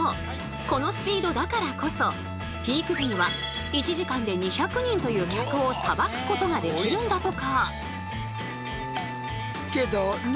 このスピードだからこそピーク時には１時間で２００人という客をさばくことができるんだとか！